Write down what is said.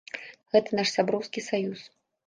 Гэта наш сяброўскі саюз.